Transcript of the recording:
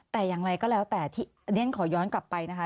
แต่อย่างไรก็แล้วแต่ที่เรียนขอย้อนกลับไปนะคะ